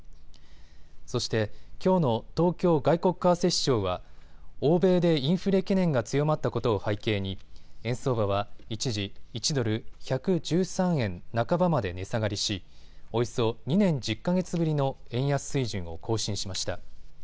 そして、きょうの東京外国為替市場は欧米でインフレ懸念が強まったことを背景に円相場は一時、１ドル１１３円半ばまで値下がりしおよそ２年１０か月ぶりの円安水準を更新しました。